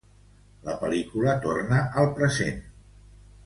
La pel·lícula torna al present.